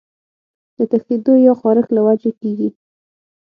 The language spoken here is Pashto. د تښنېدو يا خارښ له وجې کيږي